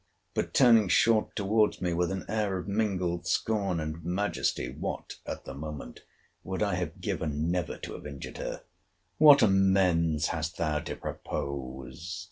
But, turning short towards me, with an air of mingled scorn and majesty, [what, at the moment, would I have given never to have injured her!] What amends hast thou to propose!